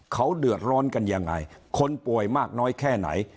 เขาเดือดร้อนกันยังไงคนป่วยมากน้อยแค่ไหน